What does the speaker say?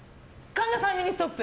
神田さん、ミニストップ？